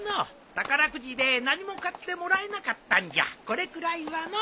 宝くじで何も買ってもらえなかったんじゃこれくらいはのう。